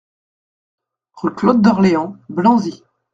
Rue Claude Dorleans, Blanzy